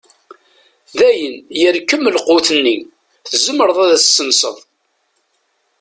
Dayen yerkem lqut-nni, tzemreḍ ad as-tessenseḍ.